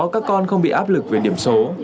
các con không bị áp lực về điểm số